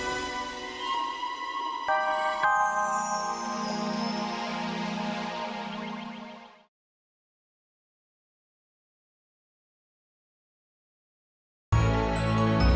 tapi paman lengsel punya pulang hebat